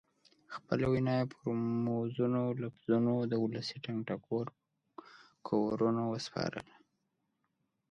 خپله وینا یې پر موزونو لفظونو د ولسي ټنګ ټکور په کورونو وسپارله.